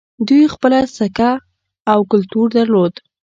دوی خپله سکه او کلتور درلود